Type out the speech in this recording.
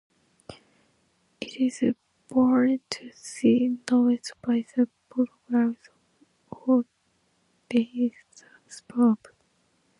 It is bordered to the northwest by the borough of Hollidaysburg.